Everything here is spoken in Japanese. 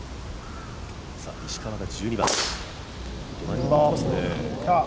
石川が１２番。